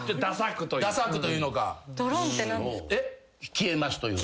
消えますというか。